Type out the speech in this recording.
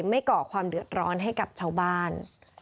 ก่อความเดือดร้อนให้กับชาวบ้าน